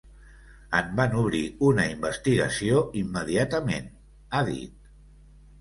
En van obrir una investigació immediatament, ha dit.